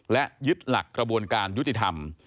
และยึดหลักกระบวนการยุติธรรม